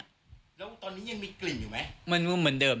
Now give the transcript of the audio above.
ตอนนี้ยังมีกลิ่นอยู่มันเหมือนเดิม